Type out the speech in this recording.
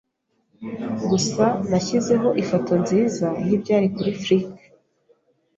Gusa nashyizeho ifoto nziza yibyara kuri Flickr.